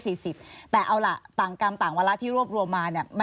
ถึงตัวเลข๔๐แต่เอาล่ะต่างกรรมต่างวัลละที่รวบรวมมา